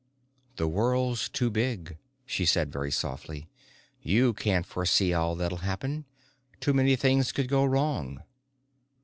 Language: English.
"The world's too big," she said very softly. "You can't foresee all that'll happen. Too many things could go wrong."